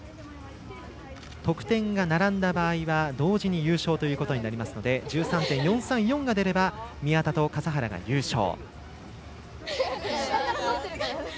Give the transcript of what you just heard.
得点が並んだ場合は同時に優勝ということになりますので１３．４３４が出れば宮田と笠原が優勝。